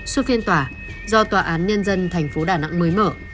suốt phiên tòa do tòa án nhân dân thành phố đà nẵng mới mở